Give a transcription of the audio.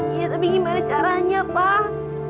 iya tapi gimana caranya pak